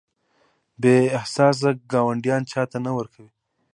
بې احساسه ګاونډیان چاته نه ورکوي.